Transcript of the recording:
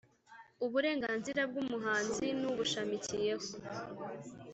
Uburenganzira bw umuhanzi n ubushamikiyeho